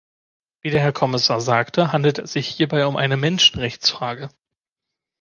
Wie der Herr Kommissar sagte, handelt es sich hierbei um eine Menschenrechtsfrage.